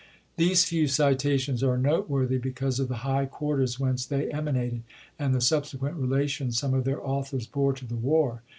These few citations are noteworthy, because of the high quarters whence they emanated and the subsequent relations some of their authors bore to the war.